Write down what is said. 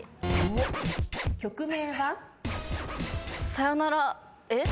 さよならえっ？